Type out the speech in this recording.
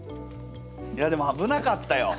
いやでもあぶなかったよ。